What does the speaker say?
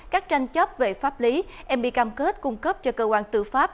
các tranh chấp về pháp lý mb cam kết cung cấp cho cơ quan tư pháp